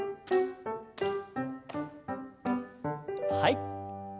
はい。